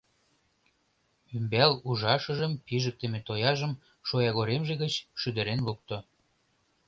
Ӱмбал ужашыжым пижыктыме тояжым шоягоремже гыч шӱдырен лукто.